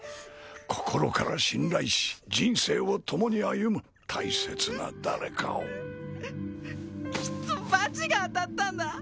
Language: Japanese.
心から信頼し人生を共に歩む大切な誰かをきっとバチが当たったんだ